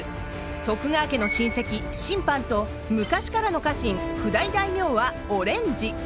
徳川家の親戚親藩と昔からの家臣譜代大名はオレンジ。